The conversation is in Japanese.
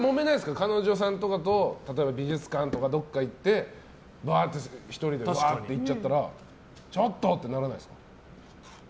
彼女さんとかと例えば美術館とかどこか行ってバーって１人で行っちゃったらちょっと！ってならないですか？